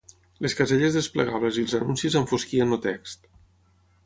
Les caselles desplegables i els anuncis enfosquien el text.